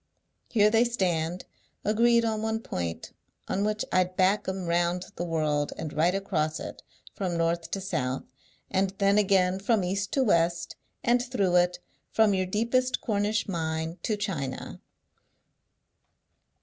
Here they stand, agreed on one point, on which I'd back 'em round the world, and right across it from north to south, and then again from east to west, and through it, from your deepest Cornish mine to China.